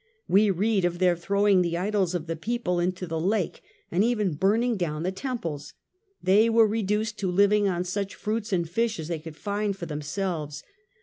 We read of their throwing the idols of the people into the lake and even burning down the temples. They were reduced to living on such fruits and fish as they could find for themselves.